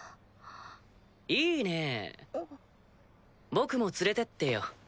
僕も連れてってよ。